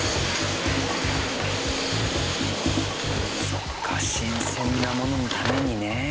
そっか新鮮なもののためにね。